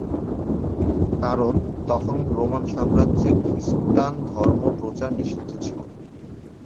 কারণ তখন রোমান সাম্রাজ্যে খৃষ্টান ধর্ম প্রচার নিষিদ্ধ ছিল।